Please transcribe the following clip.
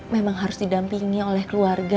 memang harus didampingi oleh keluarga